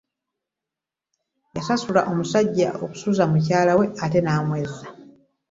Yasasula omusajja okusuza mukyalawe ate namwezza.